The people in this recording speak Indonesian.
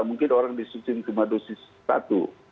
mungkin orang disucing cuma dosis satu